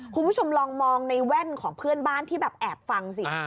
คุณผู้ชมลองมองในแว่นของเพื่อนบ้านที่แบบแอบฟังสิ